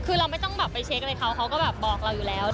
คือเราไม่ต้องแบบไปเช็คอะไรเขาเขาก็แบบบอกเราอยู่แล้ว